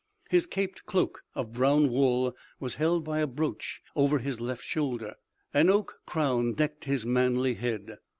His caped cloak of brown wool was held by a brooch over his left shoulder. An oak crown decked his manly head.